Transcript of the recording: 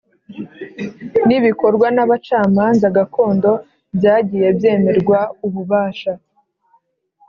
N ibikorwa n abacamanza gakondo byagiye byemerwa ububasha